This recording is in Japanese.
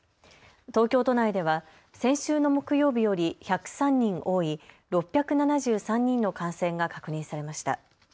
東京都内では先週の木曜日より１０３人多い６７３人の感染が確認されました。